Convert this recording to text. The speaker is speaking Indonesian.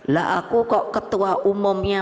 lah aku kok ketua umumnya